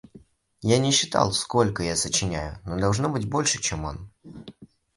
Я не считал, сколько я сочиняю, но должно быть, больше, чем он.